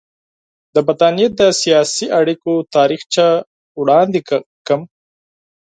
د برټانیې د سیاسي اړیکو تاریخچه وړاندې کړم.